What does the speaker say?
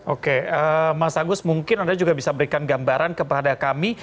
oke mas agus mungkin anda juga bisa berikan gambaran kepada kami